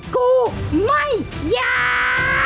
กูไม่อยาก